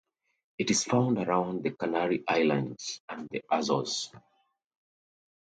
It is found around the Canary Islands and the Azores.